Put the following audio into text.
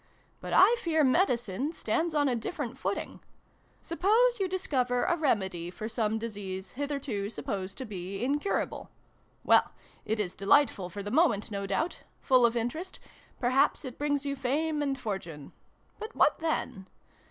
But I fear Medicine stands on a different footing. Suppose you discover a remedy for some dis ease hitherto supposed to be incurable. Well, it is delightful for the moment, no doubt full of interest perhaps it brings you fame and fortune. But what then